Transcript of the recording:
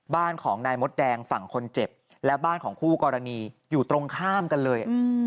บ้านของนายมดแดงฝั่งคนเจ็บและบ้านของคู่กรณีอยู่ตรงข้ามกันเลย